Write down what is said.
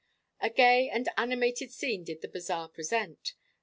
A gay and animated scene did the bazaar present.